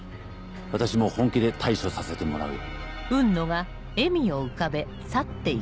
私も本気で対処させてもらうよ。